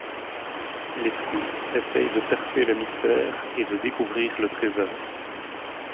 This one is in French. Les scouts essaient de percer le mystère et de découvrir le trésor.